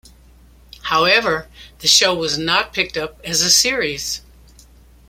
However, the show was not picked up as a series.